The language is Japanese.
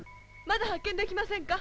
まだ発見できませんか？